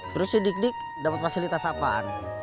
terus si dik dik dapat fasilitas apaan